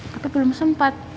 tapi belum sempat